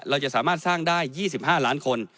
เราจะสามารถสร้างได้๒๕ล้านคน